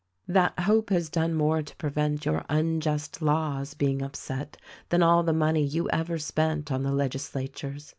"That hope has done more to prevent your unjust laws being upset than all the money you ever spent on the legisla tures.